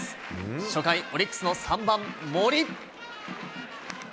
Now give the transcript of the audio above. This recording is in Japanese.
初回、オリックスの３番森。